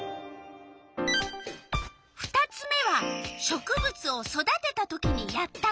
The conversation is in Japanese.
２つ目は植物を育てた時にやったこと。